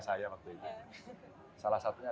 saya waktu itu salah satunya